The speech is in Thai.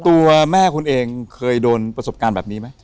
ตัวแม่คุณเองเคยโดนประสบการณ์แบบนี้ไหม